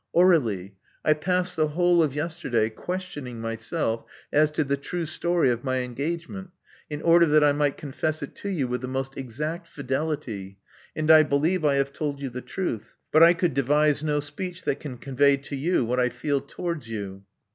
Aur61ie : I passed the whole of yesterday questioning myself as to the true story of my engagement, in order that I might confess it to you with the most exact fidelity; and I believe I have told you the truth; but I could devise no speech that can convey to you what I feel towards you.